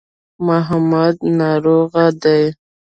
محمد ناروغه دی.